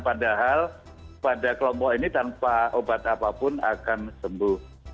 padahal pada kelompok ini tanpa obat apapun akan sembuh